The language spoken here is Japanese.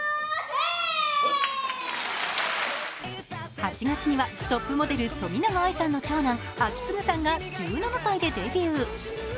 ８月にはトップモデル・冨永愛さんの長男、章胤さんが１７歳でデビュー。